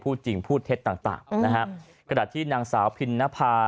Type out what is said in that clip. พูดจริงพูดเท็จต่าง